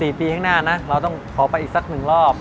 อีก๔ปีแห่งหน้าเราต้องขอไปอีกสักหนึ่งรอบ